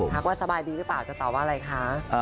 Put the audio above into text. ว่าสบายดีหรือเปล่าจะตอบว่าอะไรคะ